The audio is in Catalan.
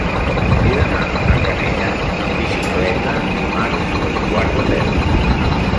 He d'anar a Canejan amb bicicleta dimarts a un quart de deu.